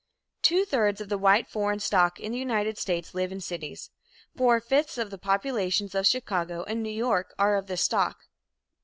Two thirds of the white foreign stock in the United States live in cities. Four fifths of the populations of Chicago and New York are of this stock.